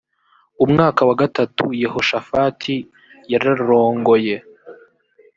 umwaka wa gatatu yehoshafati yrarongoye